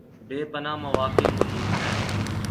بے پناہ مواقع موجود ہیں